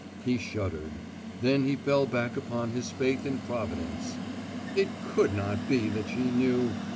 He shuddered. Then he fell back upon his faith in Providence. It could not be that she knew!